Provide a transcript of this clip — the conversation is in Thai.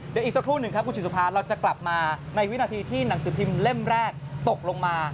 เดี๋ยวอีกสักครู่หนึ่งครับคุณจิตสุภาเราจะกลับมาในวินาทีที่หนังสือพิมพ์เล่มแรกตกลงมา